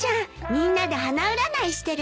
みんなで花占いしてるの。